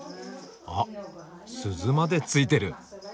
あっ鈴まで付いてる。